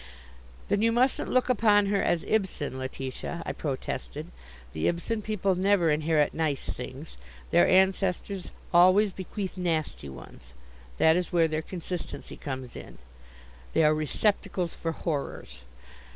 "Then you mustn't look upon her as Ibsen, Letitia," I protested. "The Ibsen people never inherit nice things. Their ancestors always bequeath nasty ones. That is where their consistency comes in. They are receptacles for horrors.